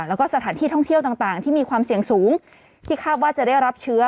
แล้วก็สถานที่ท่องเที่ยวต่างที่มีความเสี่ยงสูงที่คาดว่าจะได้รับเชื้อ